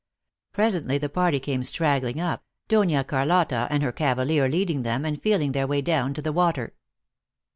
Presently the party came straggling up, Dona Car lotta and her cavalier leading them, and feeling their way down to the water.